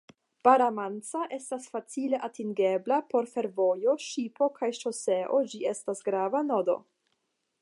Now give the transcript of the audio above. Barra Mansa estas facile atingebla per fervojo, ŝipo kaj ŝoseo, ĝi estas grava nodo.